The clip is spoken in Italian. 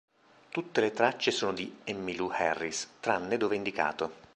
Tutte le tracce sono di Emmylou Harris, tranne dove indicato.